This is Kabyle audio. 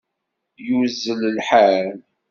Yuzzel lḥal.